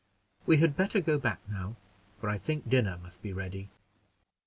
We had better go back now, for I think dinner must be ready."